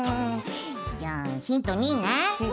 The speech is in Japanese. じゃあヒント２ね。